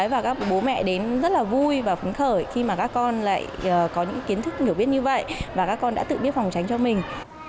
và các bố mẹ đến rất là vui và phấn khởi khi mà các con lại có những kiến thức hiểu biết như vậy và các con đã tự biết phòng tránh cho mình